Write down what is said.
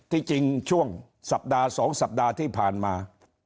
ที่จริงช่วงสัปดาห์๒สัปดาห์ที่ผ่านมา